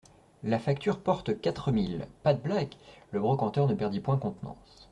La facture porte quatre mille ; pas de blagues ! Le brocanteur ne perdit point contenance.